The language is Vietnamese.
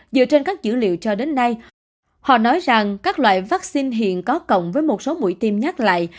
dựa trên các chữ liệu cho đến nay họ nói rằng các loại vaccine hiện có cộng với một số mũi tim nhát lại